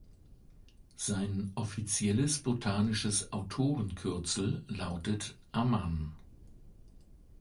Sein offizielles botanisches Autorenkürzel lautet „Amman“.